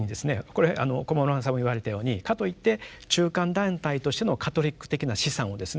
これ駒村さんも言われたようにかといって中間団体としてのカトリック的な資産をですね